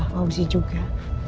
ya pak fauzi juga